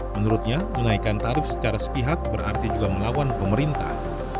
menurutnya menaikkan tarif secara sepihak berarti juga melawan pemerintah